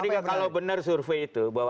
kalau benar survei itu bahwa